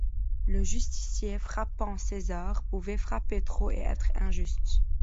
Le justicier, frappant César, pouvait frapper trop, et être injuste.